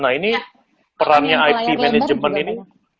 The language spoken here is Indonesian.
nah ini perannya ip manajemen ini